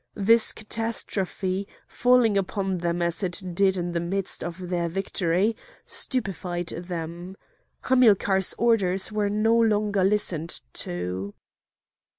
This catastrophe, falling upon them as it did in the midst of their victory, stupefied them. Hamilcar's orders were no longer listened to.